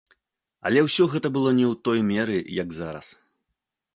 Але ўсё гэта было не ў той меры, як зараз.